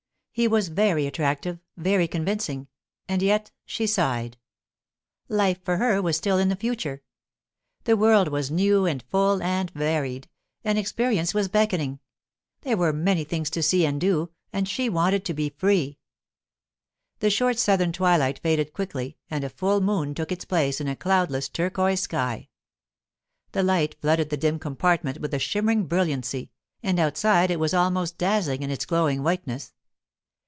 He was very attractive, very convincing; and yet she sighed. Life for her was still in the future. The world was new and full and varied, and experience was beckoning. There were many things to see and do, and she wanted to be free. The short southern twilight faded quickly and a full moon took its place in a cloudless turquoise sky. The light flooded the dim compartment with a shimmering brilliancy, and outside it was almost dazzling in its glowing whiteness.